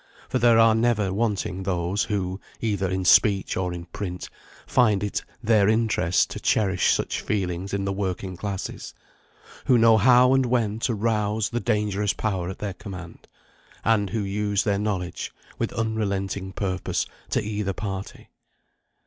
For there are never wanting those who, either in speech or in print, find it their interest to cherish such feelings in the working classes; who know how and when to rouse the dangerous power at their command; and who use their knowledge with unrelenting purpose to either party.